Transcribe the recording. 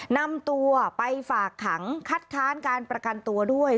นำตัวไปฝากขังคัดค้านการประกันตัวด้วย